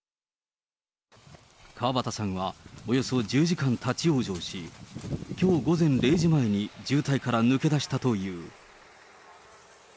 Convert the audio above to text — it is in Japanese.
河端さんはおよそ１０時間立往生し、きょう午前０時前に渋滞から抜け出したという。